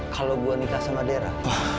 kalau gue nikah sama dera